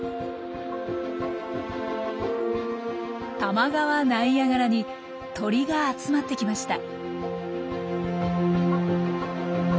多摩川ナイアガラに鳥が集まってきました。